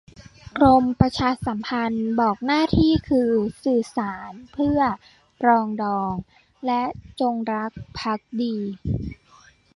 กรมประชาสัมพันธ์ บอกหน้าที่คือสื่อสารเพื่อ ปรองดอง และ จงรักภักดี